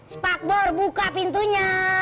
spakbor buka pintunya